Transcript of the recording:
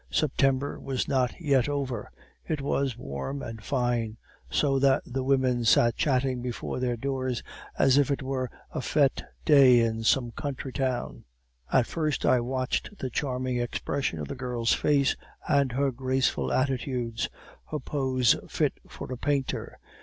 September was not yet over; it was warm and fine, so that women sat chatting before their doors as if it were a fete day in some country town. At first I watched the charming expression of the girl's face and her graceful attitudes, her pose fit for a painter.